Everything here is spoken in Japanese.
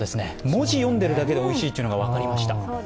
文字を読んでいるだけでおいしいというのが分かりました。